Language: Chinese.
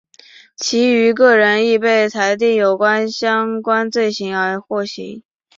其余各人亦被裁定有相关罪行而获刑。